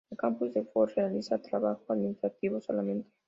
El campus de Fort realiza trabajo administrativo solamente.